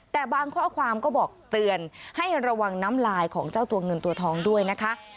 แต่บางข้อความก็บอกเตือนให้ระวังน้ำลายของเจ้าตัวเงินตัวทองด้วยนะคะ